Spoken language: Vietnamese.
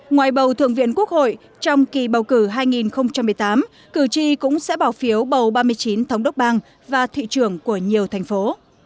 ngoài bầu thượng viện quốc hội trong kỳ bầu cử hai nghìn một mươi tám cử tri cũng sẽ bảo phiếu bầu ba mươi chín thống đốc bang và thị trưởng của nhiều thành phố